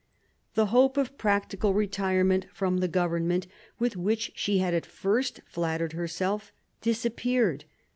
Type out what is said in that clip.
The hope of practical retirement from the government, with which she had at first flattered herself, disappeared.